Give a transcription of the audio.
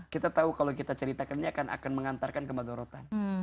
kita tahu kalau kita ceritakannya akan mengantarkan kebagorotan